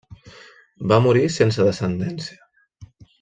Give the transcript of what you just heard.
Va morir sense descendència.